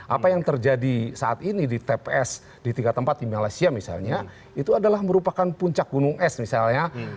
apa yang terjadi saat ini di tps di tiga tempat di malaysia misalnya itu adalah merupakan puncak gunung es misalnya